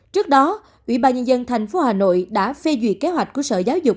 trước đó ủy ban nhân dân tp hà nội đã phê duyệt kế hoạch của sở giáo dục